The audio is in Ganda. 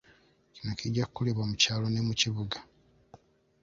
Kino kijja kukolebwa mu kyalo ne mu kibuga.